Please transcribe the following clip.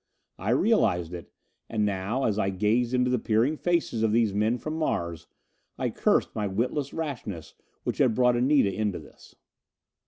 I realized it, and now, as I gazed into the peering faces of these men from Mars, I cursed my witless rashness which had brought Anita into this!